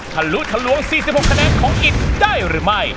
ทะลุทะลวง๔๖คะแนนของอินได้หรือไม่